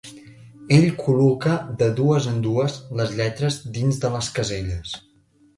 Ell col·loca de dues en dues les lletres dins de les caselles.